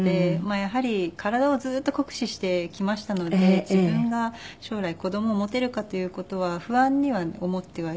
やはり体をずーっと酷使してきましたので自分が将来子供を持てるかという事は不安には思ってはいて。